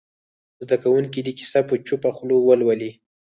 زده کوونکي دې کیسه په چوپه خوله ولولي.